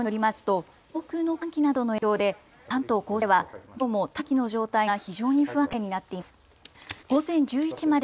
気象庁によりますと上空の寒気などの影響で関東甲信ではきょうも大気の状態が非常に不安定になっています。